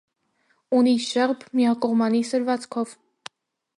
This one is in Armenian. Ունի շեղբ միակողմանի սրվածքով։